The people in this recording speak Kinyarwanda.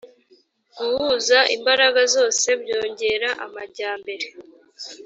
guhuza imbaraga zose byongera amajyambere